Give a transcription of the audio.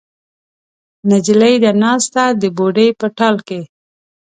نجلۍ ده ناسته د بوډۍ په ټال کې